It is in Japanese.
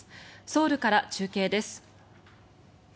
ソウルから中継です。